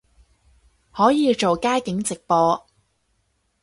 可以做街景直播